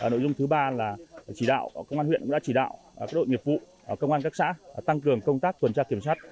nội dung thứ ba là chỉ đạo công an huyện đã chỉ đạo các đội nghiệp vụ công an các xã tăng cường công tác tuần tra kiểm soát